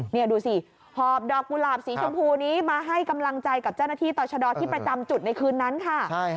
นี่ดูสิหอบดอกกุหลาบสีชมพูนี้มาให้กำลังใจกับเจ้าหน้าที่ต่อชะดอที่ประจำจุดในคืนนั้นค่ะ